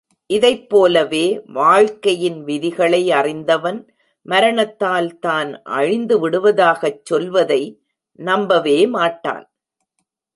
இதைப் போலவே வாழ்க்கையின் விதிகளை அறிந்தவன், மரணத்தால் தான் அழிந்து விடுவதாகச் சொல்வதை நம்பவே மாட்டான்.